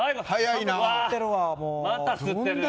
また吸ってるわ。